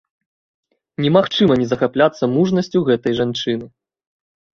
Немагчыма не захапляцца мужнасцю гэтай жанчыны.